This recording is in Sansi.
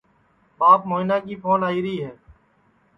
ٻاپ موہینا کی پھون آئیرا ہے